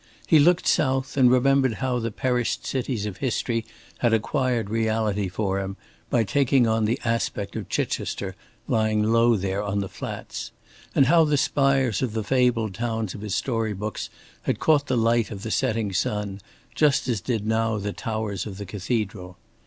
He looked south, and remembered how the perished cities of history had acquired reality for him by taking on the aspect of Chichester lying low there on the flats; and how the spires of the fabled towns of his storybooks had caught the light of the setting sun, just as did now the towers of the cathedral.